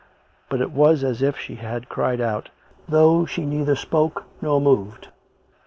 But it was as if she had cried out, though she neither spoke nor moved.